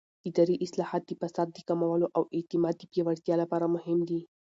اداري اصلاحات د فساد د کمولو او اعتماد د پیاوړتیا لپاره مهم دي